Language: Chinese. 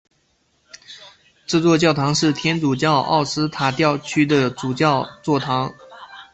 这座教堂是天主教奥斯塔教区的主教座堂。